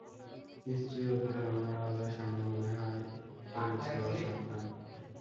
স্ত্রীর অতিলালনের আওতায় স্বামীর মন হয়ে পড়েছে অসাবধান।